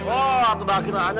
oh itu bakarnya aja